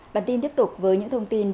bản tin tiếp tục với những thông tin tiếp theo